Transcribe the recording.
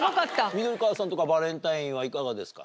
緑川さんとかバレンタインはいかがですか？